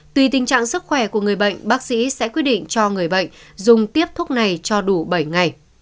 tùy tình trạng sức khỏe của người bệnh bác sĩ sẽ quyết định cho người bệnh dùng tiếp thuốc này cho đủ bảy ngày